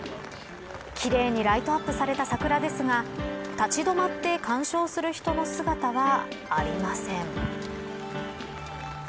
奇麗にライトアップされた桜ですが立ち止まって鑑賞する人の姿はありません。